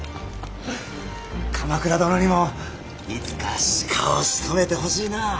鎌倉殿にもいつか鹿をしとめてほしいなあ。